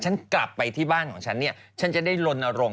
ฉันกลับไปที่บ้านของฉันเนี่ยฉันจะได้ลนรงค